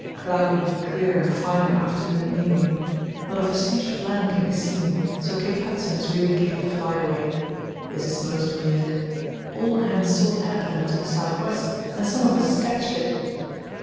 Cloudy, clear, and fine in afternoon and evening. Not a vestige of land can be seen, so Cape Hudson is really 'Cape Flyaway.' This is most weird. All hands saw the headland to the south west, and some of us sketched it.